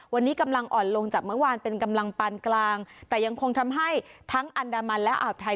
วันนี้กำลังอ่อนลงจากเมื่อวานเป็นกำลังปานกลางแต่ยังคงทำให้ทั้งอันดามันและอ่าวไทย